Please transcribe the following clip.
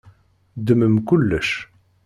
Ddmem kullec.